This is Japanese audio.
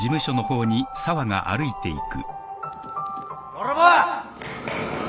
・泥棒！